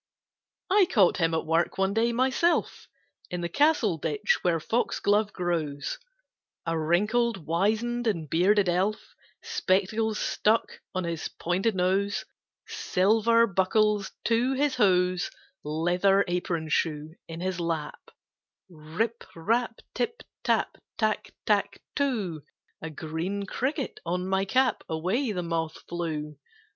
III. I caught him at work one day, myself, In the castle ditch where foxglove grows, A wrinkled, wizen'd, and bearded Elf, Spectacles stuck on his pointed nose, Silver buckles to his hose, Leather apron shoe in his lap "Rip rap, tip tap, Tack tack too! (A green cricket on my cap! Away the moth flew!)